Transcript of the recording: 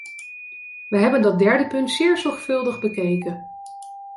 Wij hebben dat derde punt zeer zorgvuldig bekeken.